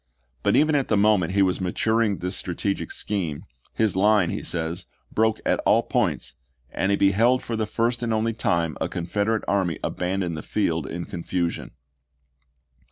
But even at the moment he was maturing this strategic scheme, his line, he says, " broke at all points," and he " beheld for the first and only time a Confederate army abandon the field in confusion."